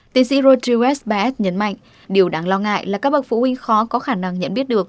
tiến sĩ rottigeres barris nhấn mạnh điều đáng lo ngại là các bậc phụ huynh khó có khả năng nhận biết được